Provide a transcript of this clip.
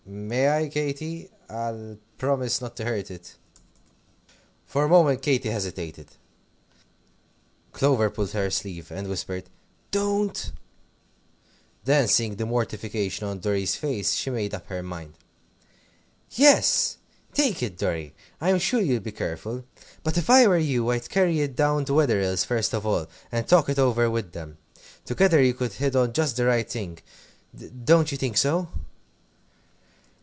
May I, Katy? I'll promise not to hurt it." For a moment Katy hesitated. Clover pulled her sleeve, and whispered, "Don't!" Then seeing the mortification on Dorry's face, she made up her mind. "Yes! take it, Dorry. I'm sure you'll be careful. But if I were you, I'd carry it down to Wetherell's first of all, and talk it over with them. Together you could hit on just the right thing. Don't you think so?"